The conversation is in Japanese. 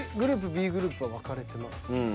Ｂグループは分かれてますね。